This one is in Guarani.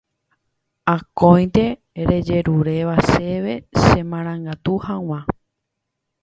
akóinte rejeruréva chéve chemarangatu hag̃ua